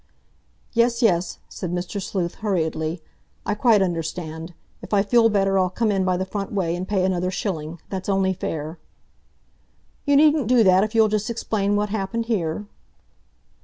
"Yes, yes," said Mr. Sleuth hurriedly. "I quite understand! If I feel better I'll come in by the front way, and pay another shilling—that's only fair." "You needn't do that if you'll just explain what happened here."